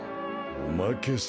おまけさ。